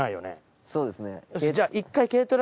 そうですね。